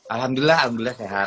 alhamdulillah alhamdulillah sehat